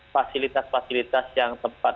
fasilitas fasilitas yang tempat